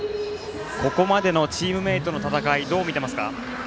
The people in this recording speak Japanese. ここまでのチームメートの戦いどう見てますか？